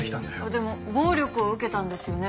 でも暴力を受けたんですよね？